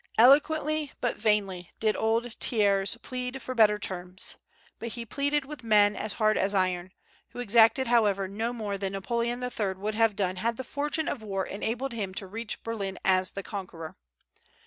Eloquently but vainly did old Thiers plead for better terms; but he pleaded with men as hard as iron, who exacted, however, no more than Napoleon III would have done had the fortune of war enabled him to reach Berlin as the conqueror.